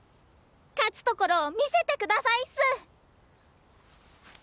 勝つところを見せて下さいっす！